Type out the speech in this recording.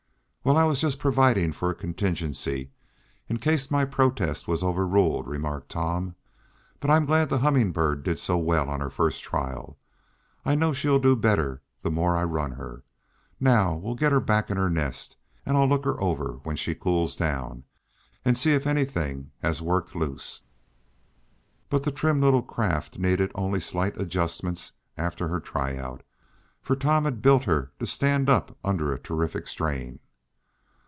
"Well, I was just providing for a contingency, in case my protest was overruled," remarked Tom. "But I'm glad the Humming Bird did so well on her first trial. I know she'll do better the more I run her. Now we'll get her back in her 'nest,' and I'll look her over, when she cools down, and see if anything has worked loose." But the trim little craft needed only slight adjustments after her tryout, for Tom had built her to stand up under a terrific strain.